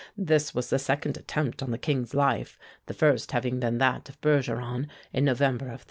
This was the second attempt on the King's life, the first having been that of Bergeron, in November of '33.